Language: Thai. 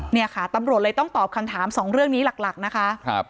เนี่ยค่ะตำรวจเลยต้องตอบคำถามสองเรื่องนี้หลักนะคะ